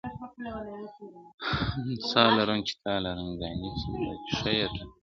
o ساه لرم چي تا لرم ،گراني څومره ښه يې ته .